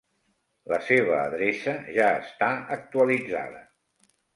La seva adreça ja està actualitzada.